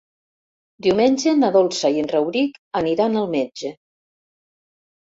Diumenge na Dolça i en Rauric aniran al metge.